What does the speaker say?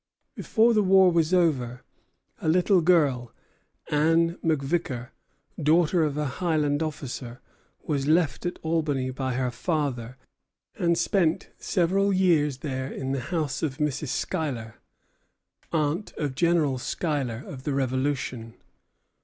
Before the war was over, a little girl, Anne MacVicar, daughter of a Highland officer, was left at Albany by her father, and spent several years there in the house of Mrs. Schuyler, aunt of General Schuyler of the Revolution.